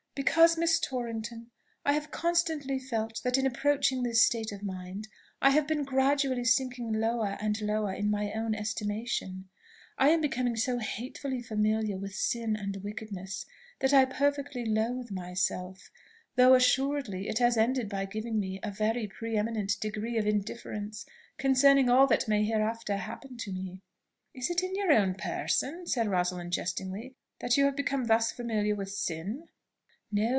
"Because, Miss Torrington, I have constantly felt that in approaching this state of mind I have been gradually sinking lower and lower in my own estimation: I am become so hatefully familiar with sin and wickedness, that I perfectly loathe myself though assuredly it has ended by giving me a very pre eminent degree of indifference concerning all that may hereafter happen to me." "Is it in your own person," said Rosalind jestingly, "that you have become thus familiar with sin?" "No.